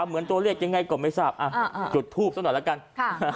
เหมือนตัวเลขยังไงก็ไม่ทราบอ่าอ่าจุดทูบสักหน่อยแล้วกันค่ะ